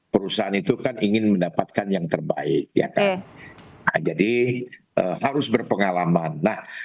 perusahaan itu kan ingin mendapatkan yang terbaik jadi harus berpengalaman